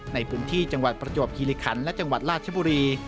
ในพื้นที่จังหวัดประจวบคิริคันและจังหวัดราชบุรี